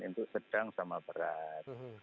itu sedang sama berat